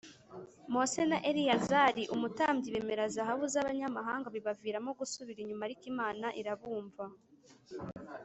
Mose na Eleyazari umutambyi bemera zahabu za banyamahanga bibaviramo gusubira inyuma ariko imana irabumva